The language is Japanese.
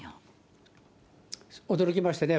驚きましたね。